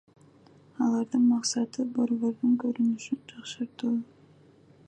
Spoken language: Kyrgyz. Алардын максаты — борбордун көрүнүшүн жакшыртуу.